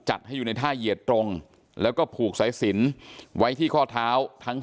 ให้อยู่ในท่าเหยียดตรงแล้วก็ผูกสายสินไว้ที่ข้อเท้าทั้ง